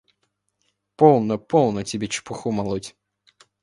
– Полно, полно тебе чепуху молоть!